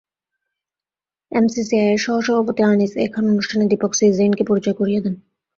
এমসিসিআইয়ের সহসভাপতি আনিস এ খান অনুষ্ঠানে দীপক সি জেইনকে পরিচয় করিয়ে দেন।